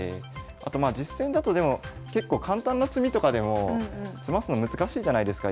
あとまあ実戦だとでも結構簡単な詰みとかでも詰ますの難しいじゃないですか。